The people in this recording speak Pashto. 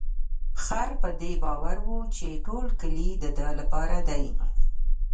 خر په دې باور و چې ټول کلي د ده لپاره دی.